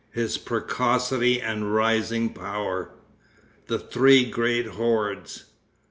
His Precocity and Rising Power. The Three Great Hordes.